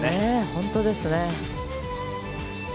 本当ですね。